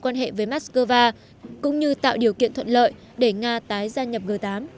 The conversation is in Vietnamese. đối với moscow cũng như tạo điều kiện thuận lợi để nga tái gia nhập g tám